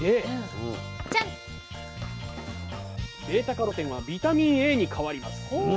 β−カロテンはビタミンＡに変わります。